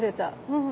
うん。